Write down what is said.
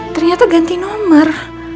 ternyata ganti nomor